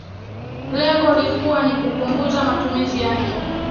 lengo likuwa ni kupunguza matumizi yake